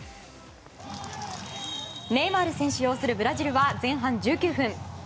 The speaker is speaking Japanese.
ネイマール選手擁するブラジルは前半１９分。